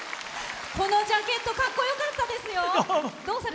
このジャケットかっこよかったですよ。